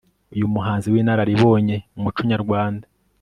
uyu muhanzi w'inararibonye m'umuco nyarwanda